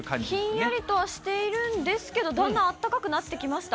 ひんやりとはしてるんですけど、だんだん暖かくなってきました。